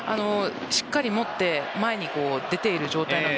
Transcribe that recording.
しっかり持って前に出ている状態です。